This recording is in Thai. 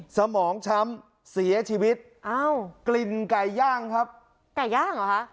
สมองช้ำเสียชีวิตอ้าวกลิ่นไก่ย่างครับไก่ย่างเหรอคะ